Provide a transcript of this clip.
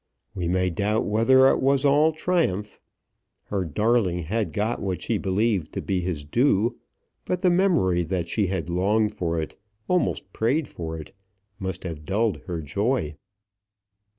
We may doubt whether it was all triumph. Her darling had got what she believed to be his due; but the memory that she had longed for it, almost prayed for it, must have dulled her joy.